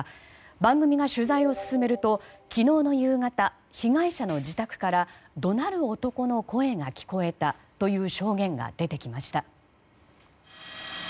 番組が取材を進めると昨日の夕方被害者の自宅から怒鳴る男の声が聞こえたという証言が出てきました。